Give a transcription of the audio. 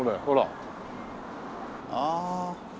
ほら！ああ。